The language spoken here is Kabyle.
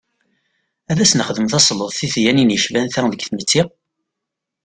Ad as-nexdem tasleḍt i tedyanin yecban ta deg tmetti?